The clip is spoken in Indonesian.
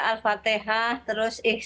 al fatihah terus surat ikhlas